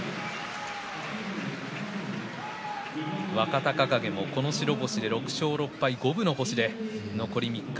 若隆景もこの白星で６勝６敗、五分の星で残り３日。